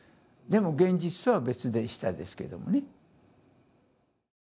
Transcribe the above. でも現実とは別でしたですけどもね。